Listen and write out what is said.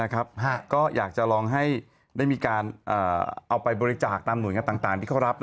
ก็อยากจะลองให้ได้มีการเอาไปบริจาคตามหน่วยงานต่างที่เขารับ